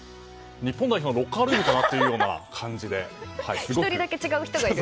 日本代表のロッカールームかなという感じで。